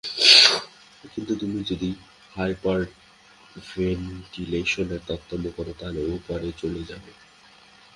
কিন্তু তুমি যদি হাইপারভেন্টিলেশনের তারতম্য করো তাহলে ওপারে চলে যাবে।